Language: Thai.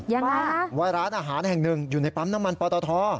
ยังไงว่าร้านอาหารแห่งหนึ่งอยู่ในปั๊มน้ำมันปอตท